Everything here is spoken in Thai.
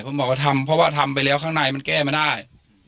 ผมบอกว่าทำเพราะว่าทำไปแล้วข้างในมันแก้ไม่ได้